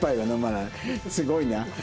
すごいな。